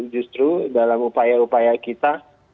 justru dalam upaya upaya kita